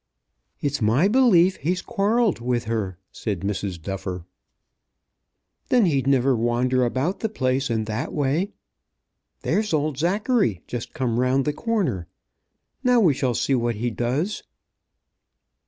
"It's my belief he's quarrelled with her," said Mrs. Duffer. "Then he'd never wander about the place in that way. There's old Zachary just come round the corner. Now we shall see what he does."